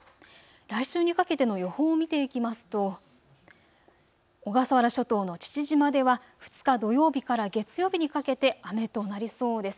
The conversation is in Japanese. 来週にかけての予報を見ていきますと小笠原諸島の父島では２日土曜日から月曜日にかけて雨となりそうです。